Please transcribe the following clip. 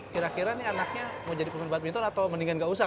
kira kira ini anaknya mau jadi pemimpin badminton atau mendingan gak usah